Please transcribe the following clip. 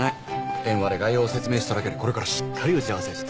電話で概要を説明しただけでこれからしっかり打ち合わせして。